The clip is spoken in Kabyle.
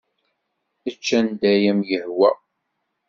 Ečč anda ay am-yehwa.